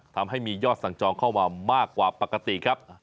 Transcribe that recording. ทำให้มียอดสั่งจองเข้ามามากกว่าปกติครับ